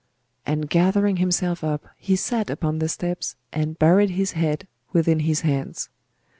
And gathering himself up, he sat upon the steps and buried his head within his hands.